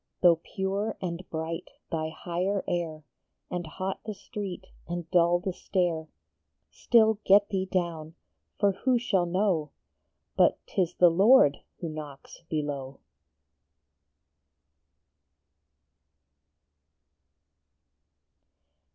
Though pure and bright thy higher air, And hot the street and dull the stair, Still get thee down, for who shall know But t is the Lord who knocks below